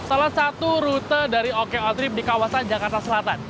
saya akan menjajaskan salah satu rute dari oko trip di kawasan jakarta selatan